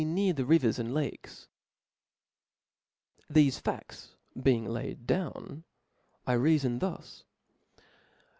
near the rivers and lakes." T^hefe fa^ be^ng laid do\yn, I reafon thus.